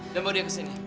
dan bawa dia kesini